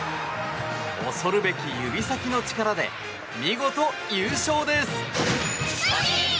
恐るべき指先の力で見事、優勝です。